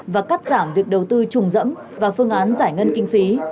và cắt giảm việc đầu tư trùng dẫm và phương án giải ngân kinh phí